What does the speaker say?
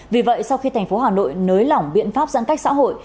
vì vậy sau khi thành phố hà nội nới lỏng biện pháp giãn cách xã hội